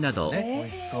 おいしそう。